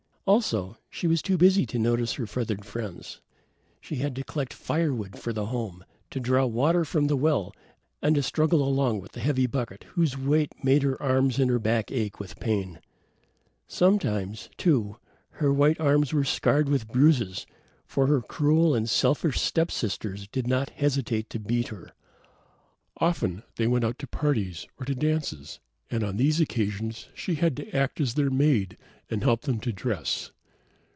Also, she was too busy to notice her feathered friends. She had to collect firewood for the home, to draw water from the well and struggle along with the heavy bucket whose weight made her arms and her back ache with pain. Sometimes, too, her white arms were scarred with bruises, for her cruel and selfish step sisters did not hesitate to beat her. Often they went out to parties, or to dances, and on these occasions she had to act as their maid and help them to dress.